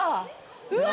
うわ！